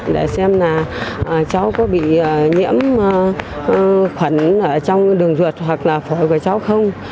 để xem là cháu có bị nhiễm khuẩn ở trong đường ruột hoặc là phổi của cháu không